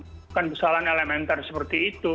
bukan kesalahan elementar seperti itu